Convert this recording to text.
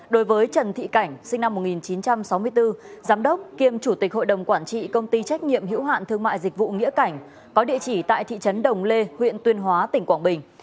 đối với trần thị cảnh sinh năm một nghìn chín trăm sáu mươi bốn giám đốc kiêm chủ tịch hội đồng quản trị công ty trách nhiệm hữu hạn thương mại dịch vụ nghĩa cảnh có địa chỉ tại thị trấn đồng lê huyện tuyên hóa tỉnh quảng bình